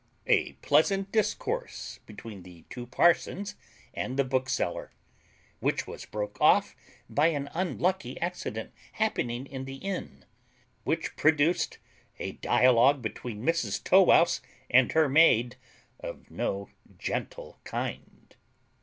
_A pleasant discourse between the two parsons and the bookseller, which was broke off by an unlucky accident happening in the inn, which produced a dialogue between Mrs Tow wouse and her maid of no gentle kind.